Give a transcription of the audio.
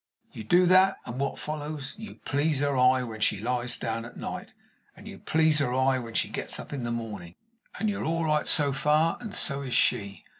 You do that, and what follows? You please her eye when she lies down at night, and you please her eye when she gets up in the morning and you're all right so far, and so is she.